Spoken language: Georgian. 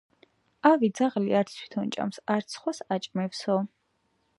ავი ძაღლი, არც თითონ შეჭამს, არც სხვას შეაჭმევსო.